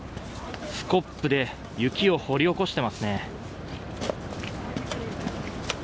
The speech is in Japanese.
スコップで雪を掘り起こしていますね。